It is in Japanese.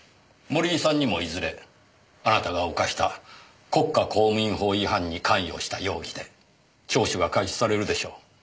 森井さんにもいずれあなたが犯した国家公務員法違反に関与した容疑で聴取が開始されるでしょう。